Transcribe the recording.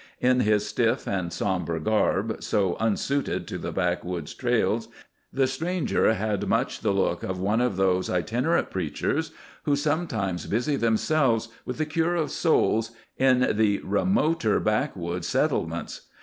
In his stiff and sombre garb, so unsuited to the backwoods trails, the stranger had much the look of one of those itinerant preachers who sometimes busy themselves with the cure of souls in the remoter backwoods settlements.